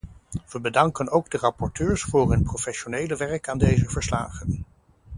We bedanken ook de rapporteurs voor hun professionele werk aan deze verslagen.